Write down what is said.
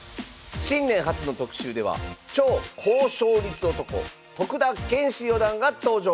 新年初の特集では超高勝率男徳田拳士四段が登場。